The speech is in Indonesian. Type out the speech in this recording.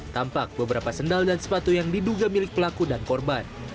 tampak beberapa sendal dan sepatu yang diduga milik pelaku dan korban